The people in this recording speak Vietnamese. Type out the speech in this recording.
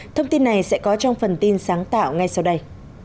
thông tin này sẽ có trong phần tin sáng tạo ngay sau đây